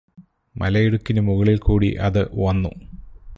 മലയിടുക്കിനു മുകളിൽ കൂടി അത് വന്നു